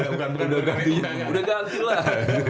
udah ganti lah